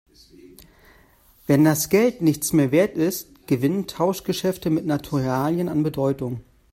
Wenn das Geld nichts mehr Wert ist, gewinnen Tauschgeschäfte mit Naturalien an Bedeutung.